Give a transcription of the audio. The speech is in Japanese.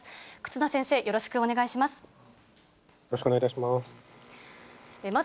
忽那先生、よろしくお願いします。